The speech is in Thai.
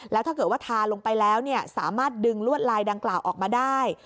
แล้วถ้าเกิดว่าทาลงไปแล้วสามารถดึงลวดลายดังกล่าวออกมาได้